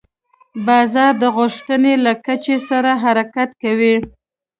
بازار د غوښتنې له کچې سره حرکت کوي.